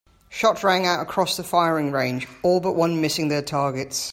Shots rang out across the firing range, all but one missing their targets.